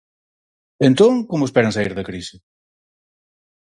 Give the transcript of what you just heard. Entón, como esperan saír da crise?